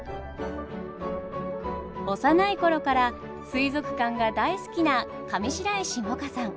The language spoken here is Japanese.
幼い頃から水族館が大好きな上白石萌歌さん。